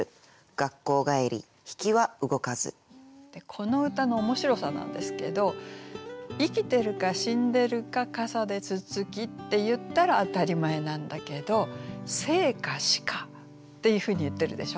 この歌の面白さなんですけど「生きてるか死んでるか傘でつつつき」って言ったら当たり前なんだけど「生か死か」っていうふうに言ってるでしょ。